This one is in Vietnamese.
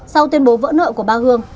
sau tuyên bố vỡ nợ của bà hường